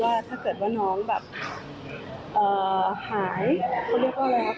ถ้าเกิดว่าน้องแบบหายเขาเรียกว่าอะไรครับ